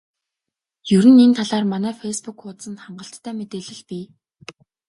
Ер нь энэ талаар манай фейсбүүк хуудсанд хангалттай мэдээлэл бий дээ.